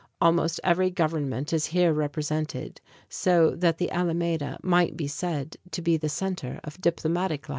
Almost every government is here represented, so that the Alameda might be said to be the center of diplomatic life.